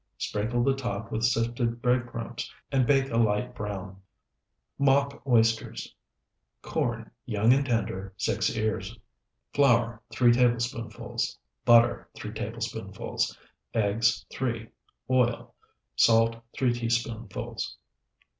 Sprinkle the top with sifted bread crumbs, and bake a light brown. MOCK OYSTERS Corn, young and tender, 6 ears. Flour, 3 tablespoonfuls. Butter, 3 tablespoonfuls. Eggs, 3. Oil. Salt, 3 teaspoonfuls.